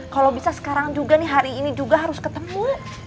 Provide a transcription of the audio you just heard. kalau bisa sekarang juga nih hari ini juga harus ketemu